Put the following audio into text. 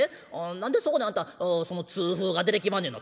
何でそこにあんた痛風が出てきまんねんな。